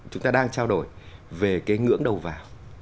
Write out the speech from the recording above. chúng ta đang trao đổi về cái ngưỡng đầu vào